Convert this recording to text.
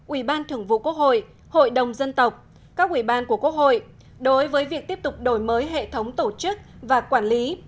ủy ban thưởng vụ quốc hội hội đồng dân tộc các ủy ban của quốc hội đối với việc tiếp tục đổi mới hệ thống tổ chức và quản lý